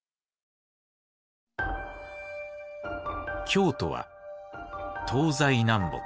京都は東西南北